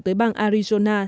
tới bang arizona